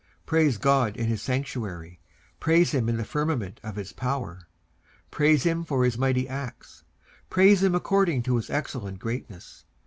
Praise God in his sanctuary: praise him in the firmament of his power. 19:150:002 Praise him for his mighty acts: praise him according to his excellent greatness.